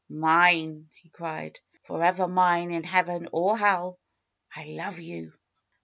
'^Mine !" he cried. Forever mine in heaven or hell ! I love you!"